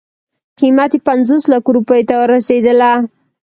قیمت یې پنځوس لکو روپیو ته رسېدله.